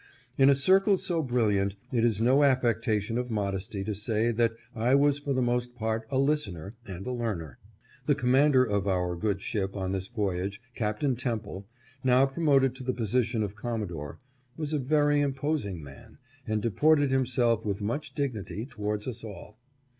In a circle so brilliant, it is no affectation of mod esty to say that I was for the most part a listener and a learner. The commander of our good ship on this voy age, Capt. Temple, now promoted to the position of Com modore, was a very imposing man, and deported himself with much dignity towards us all.